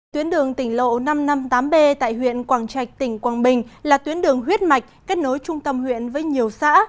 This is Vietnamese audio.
tuyến đường tỉnh lộ năm trăm năm mươi tám b tại huyện quảng trạch tỉnh quảng bình là tuyến đường huyết mạch kết nối trung tâm huyện với nhiều xã